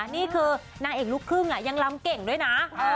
นี่คือนางเอกลูกครึ่งยังลำเก่งด้วยนะ